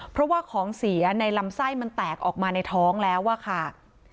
เพราะว่าของเสียในลำไส้มันแตกออกมาในท้องแล้วอะค่ะ